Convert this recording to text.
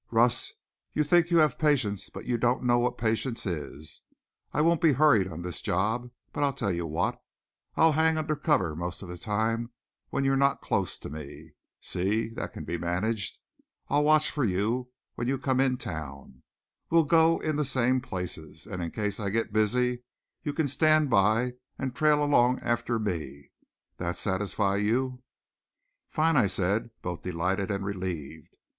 "Russ, you think you have patience, but you don't know what patience is. I won't be hurried on this job. But I'll tell you what: I'll hang under cover most of the time when you're not close to me. See? That can be managed. I'll watch for you when you come in town. We'll go in the same places. And in case I get busy you can stand by and trail along after me. That satisfy you?" "Fine!" I said, both delighted and relieved.